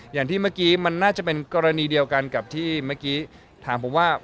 อย่างที่เมื่อกี้มันน่าจะเป็นกรณีเดียวกันกับที่เมื่อกี้ถามผมว่า